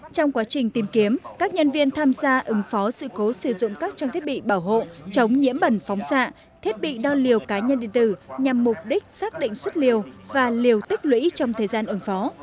trong quá trình tìm kiếm các nhân viên tham gia ứng phó sự cố sử dụng các trang thiết bị bảo hộ chống nhiễm bẩn phóng xạ thiết bị đo liều cá nhân điện tử nhằm mục đích xác định xuất liều và liều tích lũy trong thời gian ứng phó